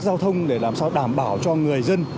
giao thông để làm sao đảm bảo cho người dân